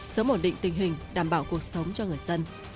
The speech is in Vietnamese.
sớm ổn định tình hình đảm bảo cuộc sống cho người dân